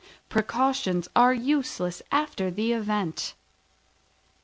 Precautions are useless after the event.